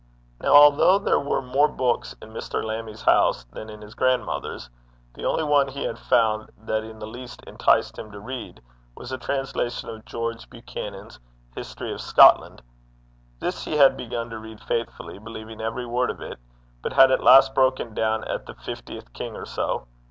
Now, although there were more books in Mr. Lammie's house than in his grandmother's, the only one he had found that in the least enticed him to read, was a translation of George Buchanan's History of Scotland. This he had begun to read faithfully, believing every word of it, but had at last broken down at the fiftieth king or so.